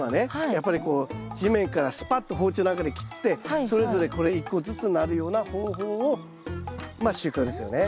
やっぱりこう地面からすぱっと包丁なんかで切ってそれぞれこれ１個ずつになるような方法をまあ収穫ですよね。